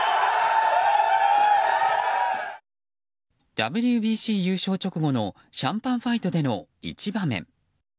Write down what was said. ＷＢＣ優勝直後のシャンパンファイトでの一場面。